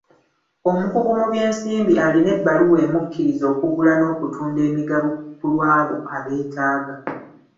Omukugu mu by'ensimbi alina ebbaluwa emukkiriza okugula n'okutunda emigabo ku lw'abo abeetaaga.